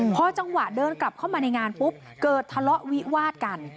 พอจังหวะเดินกลับเข้ามาในงานปุ๊บเกิดทะเลาะวิวาดกัน